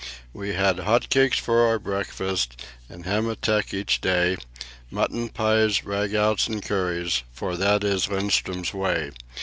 We had hot cakes for our breakfast and "hermetik" each day, Mutton pies, ragouts and curries, for that is Lindström's way.